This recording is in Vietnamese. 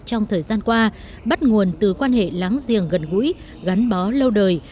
trong thời gian qua bắt nguồn từ quan hệ láng giềng gần gũi gắn bó lâu đời